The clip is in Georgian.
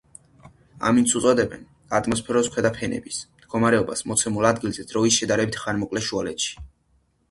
ამინდს უწოდებენ ატმოსფეროს ქვედა ფენების მდგომარეობას მოცემულ ადგილზე დროის შედარებით ხანმოკლე შუალედში.